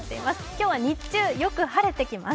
今日は日中よく晴れてきます。